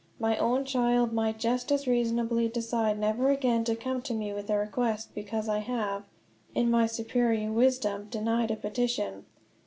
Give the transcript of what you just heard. My own child might just as reasonably decide never again to come to me with a request because I have, in my superior wisdom, denied a petition.